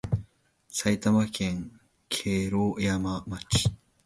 埼玉県毛呂山町